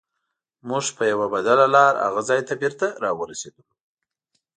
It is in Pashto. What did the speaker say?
موږ په یوه بدله لار هغه ځای ته بېرته راورسیدلو.